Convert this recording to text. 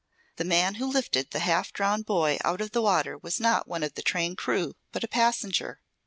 The man who lifted the half drowned boy out of the water was not one of the train crew, but a passenger.